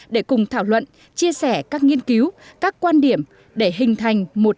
để cùng thảo luận chia sẻ các nghiên cứu các quan điểm để hình thành một